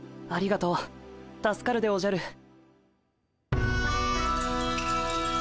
ありがとう助かるでおじゃる。